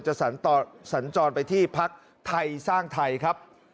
สัญจรไปที่พักไทยสร้างไทยครับ